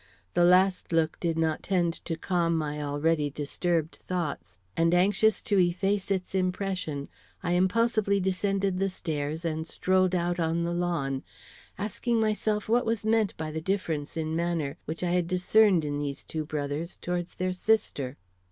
The last look did not tend to calm my already disturbed thoughts, and, anxious to efface its impression, I impulsively descended the stairs and strolled out on the lawn, asking myself what was meant by the difference in manner which I had discerned in these two brothers towards their sister.